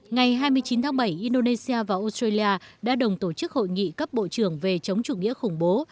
ngày hai mươi chín tháng bảy indonesia và australia đã đồng tổ chức hội nghị cấp bộ trưởng về chống chủ nghĩa khủng bố